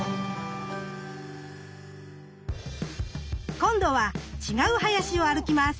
今度は違う林を歩きます。